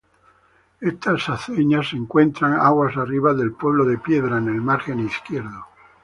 Estas aceñas se encuentran "aguas arriba" del puente de Piedra, en el margen izquierdo.